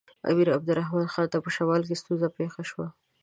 امیر عبدالرحمن خان ته په شمال کې ستونزه پېښه شوه.